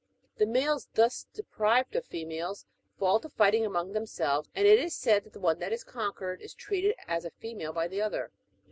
The males, thus deprived of the females, fall to fighting among themselves ; and it is said that the one that is conquered, is treated as a female by the other.